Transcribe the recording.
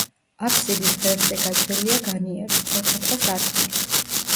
აფსიდის ღერძზე გაჭრილია განიერი, სწორკუთხა სარკმელი.